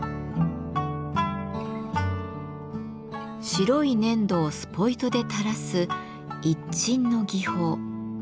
白い粘土をスポイトで垂らすイッチンの技法。